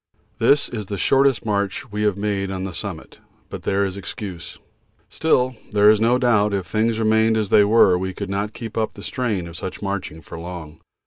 This is the shortest march we have made on the summit, but there is excuse. Still, there is no doubt if things remained as they are we could not keep up the strain of such marching for long.